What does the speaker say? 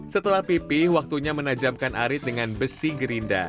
setelah pipih waktunya menajamkan arit dengan besi gerinda